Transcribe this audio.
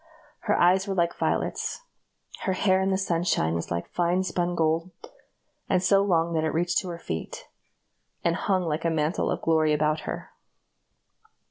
Her eyes were like violets. Her hair in the sunshine was like fine spun gold, and so long that it reached to her feet, and hung like a mantle of glory about her.